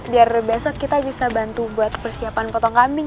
biar besok kita bisa bantu buat persiapan potong kambing